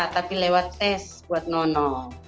tapi lewat tes buat nono